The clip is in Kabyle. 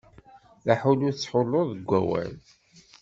D aḥullu i tettḥulluḍ deg wawal.